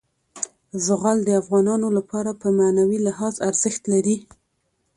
زغال د افغانانو لپاره په معنوي لحاظ ارزښت لري.